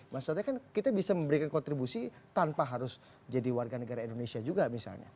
maksudnya kan kita bisa memberikan kontribusi tanpa harus jadi warga negara indonesia juga misalnya